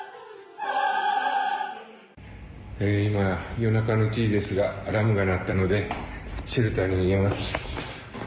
今、夜中の１時ですが、アラームが鳴ったのでシェルターに逃げます。